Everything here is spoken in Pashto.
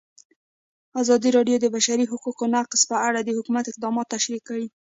ازادي راډیو د د بشري حقونو نقض په اړه د حکومت اقدامات تشریح کړي.